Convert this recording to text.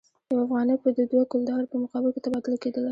یو افغانۍ به د دوه کلدارو په مقابل کې تبادله کېدله.